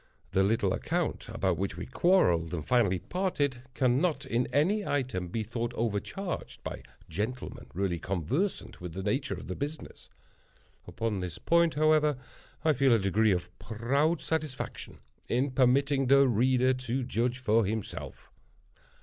The little account, about which we quarreled and finally parted, cannot, in any item, be thought overcharged, by gentlemen really conversant with the nature of the business. Upon this point, however, I feel a degree of proud satisfaction in permitting the reader to judge for himself.